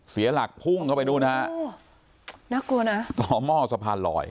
เสียหลักพุ่งเข้าไปดูนะฮะโอ้น่ากลัวนะต่อหม้อสะพานลอย